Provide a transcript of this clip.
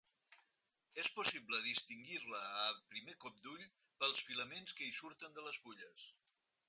És possible distingir-la a primer cop d'ull pels filaments que hi surten de les fulles.